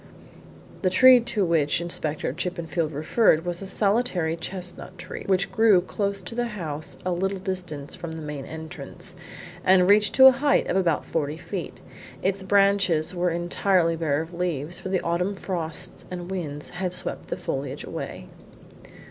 The tree to which Inspector Chippenfield referred was a solitary chestnut tree, which grew close to the house a little distance from the main entrance, and reached to a height of about forty feet. Its branches were entirely bare of leaves, for the autumn frosts and winds had swept the foliage away.